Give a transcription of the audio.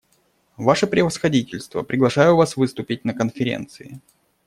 Ваше превосходительство, приглашаю вас выступить на Конференции.